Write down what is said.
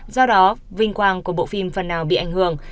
do đó vinh quang của bộ phim phần nào bị ảnh hưởng